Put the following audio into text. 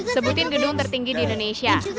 sebutin gedung tertinggi di indonesia